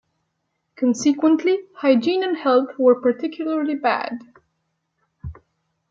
Consequently, hygiene and health were particularly bad.